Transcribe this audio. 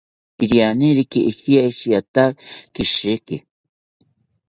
Irianeriki ishiashiata keshiki